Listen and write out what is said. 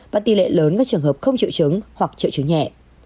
và tỷ lệ lớn các trường hợp không triệu chứng hoặc triệu chứng nhẹ